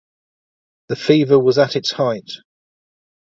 The fever was at its height.